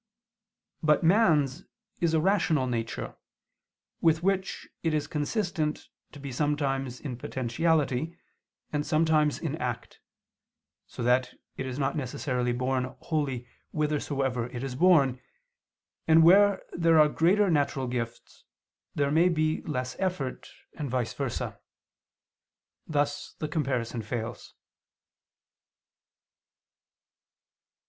But man's is a rational nature, with which it is consistent to be sometimes in potentiality and sometimes in act: so that it is not necessarily borne wholly whithersoever it is borne, and where there are greater natural gifts there may be less effort, and vice versa. Thus the comparison fails.